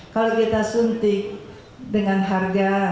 kalau kita suntik dengan harga